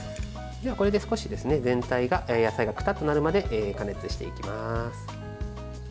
これで少し全体が野菜がくたっとなるまで加熱していきます。